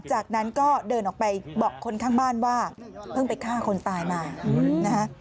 จากนั้นก็เดินออกไปบอกคนข้างบ้านว่าเพิ่งไปฆ่าคนตายมานะฮะ